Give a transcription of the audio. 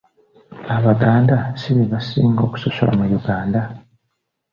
Abaganda si be basinga okusosola mu Uganda?